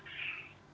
kalau dari pak agus